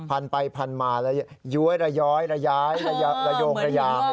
พันมายวยระย้อยระยายระโยงระย่าง